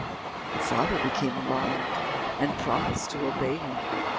The father became alarmed, and promised to obey him.